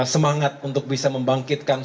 semangat untuk bisa membangkitkan